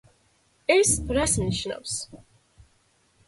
ეს რას ნიშნავს?